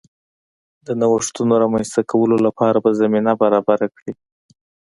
د نوښتونو رامنځته کولو لپاره به زمینه برابره کړي